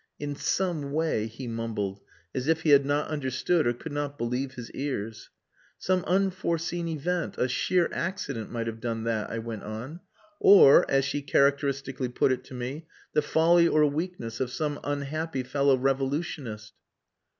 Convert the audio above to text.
"In some way," he mumbled, as if he had not understood or could not believe his ears. "Some unforeseen event, a sheer accident might have done that," I went on. "Or, as she characteristically put it to me, the folly or weakness of some unhappy fellow revolutionist."